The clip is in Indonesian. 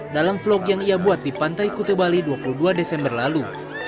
dalam vlog yang ia buat di pantai kute bali dua puluh dua desember lalu